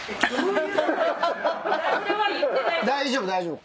大丈夫大丈夫。